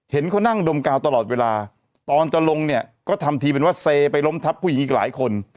เขานั่งดมกาวตลอดเวลาตอนจะลงเนี่ยก็ทำทีเป็นว่าเซไปล้มทับผู้หญิงอีกหลายคน